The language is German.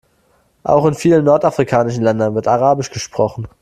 Auch in vielen nordafrikanischen Ländern wird arabisch gesprochen.